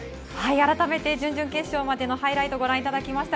あらためて準々決勝までのハイライトをご覧いただきました。